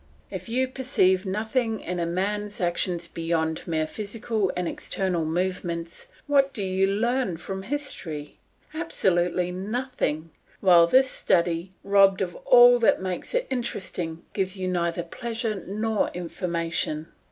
If you perceive nothing in a man's actions beyond merely physical and external movements, what do you learn from history? Absolutely nothing; while this study, robbed of all that makes it interesting, gives you neither pleasure nor information.